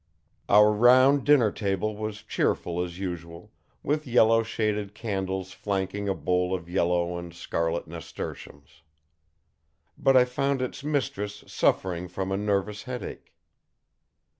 Our round dinner table was cheerful as usual, with yellow shaded candles flanking a bowl of yellow and scarlet nasturtiums. But I found its mistress suffering from a nervous headache.